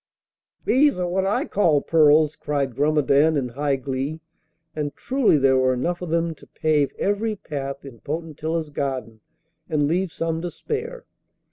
'Those are what I call pearls,' cried Grumedan in high glee. And truly there were enough of them to pave every path in Potentilla's garden and leave some to spare!